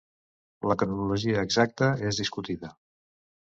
La cronologia exacta és discutida.